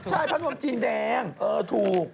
ใช่ผ้านวมจีนแดงถูก